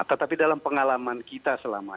tetapi dalam pengalaman kita selama ini